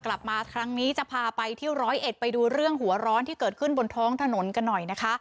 กลับมาครั้งนี้จะพาไปที่ร้อยเอ็ดไปดูเรื่องหัวร้อนที่เกิดขึ้นบนท้องถนนกันหน่อยนะคะ